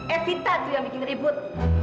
evita tuh yang bikin ribut